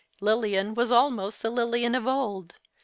Lilian was almost the Lilian of old.